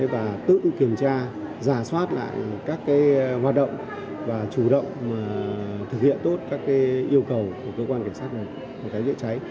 và tự kiểm tra giả soát lại các hoạt động và chủ động thực hiện tốt các yêu cầu của cơ quan cảnh sát phòng cháy chữa cháy